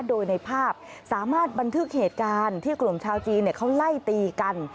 โดยในภาพสามารถบันทึกเหตุการณ์ที่กลุ่มชาวจีนเขาไล่ตีกัน